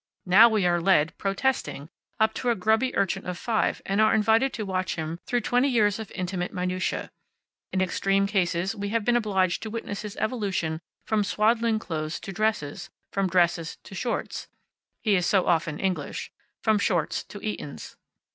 Now we are led, protesting, up to a grubby urchin of five and are invited to watch him through twenty years of intimate minutiae. In extreme cases we have been obliged to witness his evolution from swaddling clothes to dresses, from dresses to shorts (he is so often English), from shorts to Etons.